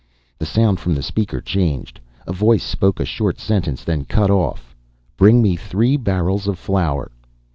The sound from the speaker changed. A voice spoke a short sentence, then cut off. "_Bring me three barrels of flour.